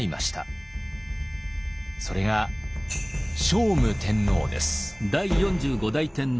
それが聖武天皇です。